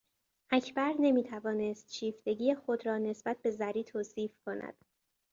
اکبر نمی توانست شیفتگی خود را نسبت به زری توصیف کند.